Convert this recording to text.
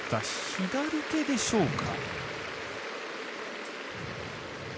左手でしょうか。